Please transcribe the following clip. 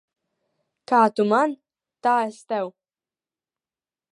Kā tu man, tā es tev.